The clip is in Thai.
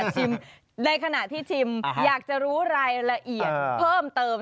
ชิมในขณะที่ชิมอยากจะรู้รายละเอียดเพิ่มเติม